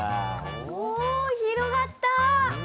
お広がった！